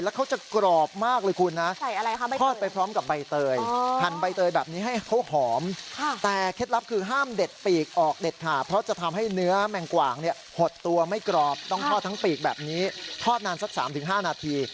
แล้วเขาจะกรอบมากเลยคุณนะทอดไปพร้อมกับใบเตยหั่นใบเตยแบบนี้ให้เขาหอมแต่เคล็ดลับคือห้ามเด็ดปีกออกเด็ดขาดเพราะจะทำให้เนื้อแมงกว่างหดตัวไม่กรอบต้องทอดทั้งปีกแบบนี้ทอดนานสัก๓๕นาที